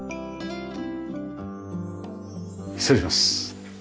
失礼します。